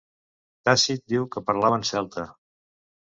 Tàcit diu que parlaven celta.